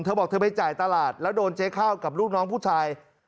เธอบอกเธอไปจ่ายตลาดแล้วโดนเจ๊ข้าวกับลูกน้องผู้ชาย